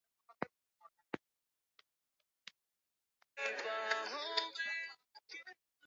Atatembea hadi afike kule mbele